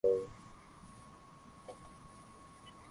ukimwi unasababisha ukosefu wa rasilimali watu